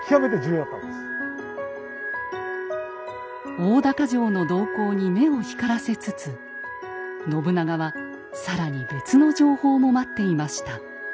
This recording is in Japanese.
大高城の動向に目を光らせつつ信長は更に別の情報も待っていました。